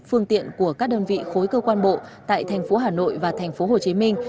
phương tiện của các đơn vị khối cơ quan bộ tại thành phố hà nội và thành phố hồ chí minh